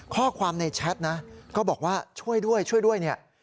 ข้อความในแชทนะก็บอกว่าช่วยด้วยช่วยด้วยเนี่ย